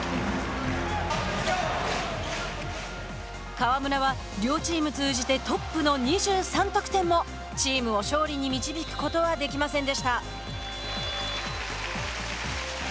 河村は両チーム通じてトップの２３得点もチームを勝利に導くことはできませんでした。